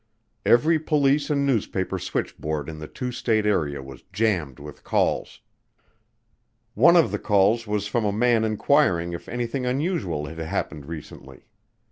Every police and newspaper switchboard in the two state area was jammed with calls. One of the calls was from a man inquiring if anything unusual had happened recently.